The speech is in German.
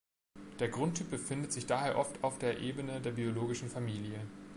Der Grundtyp befindet sich daher oft auf der Ebene der biologischen Familie.